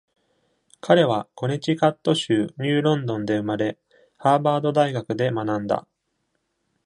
彼はコネチカット州ニューロンドンで生まれ、ハーバード大学で学んだ。